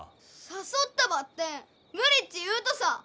誘ったばってん無理っち言うとさ。